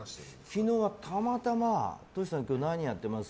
昨日はたまたまトシさん今日何やってます？